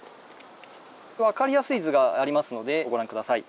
分かりやすい図がありますのでご覧下さい。